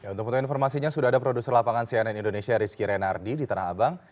untuk mengetahui informasinya sudah ada produser lapangan cnn indonesia rizky renardi di tanah abang